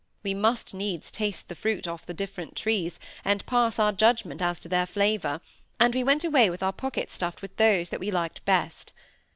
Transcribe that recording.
We must needs taste the fruit off the different trees, and pass our judgment as to their flavour; and we went away with our pockets stuffed with those that we liked best.